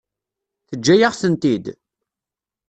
Teǧǧa-yaɣ-tent-id?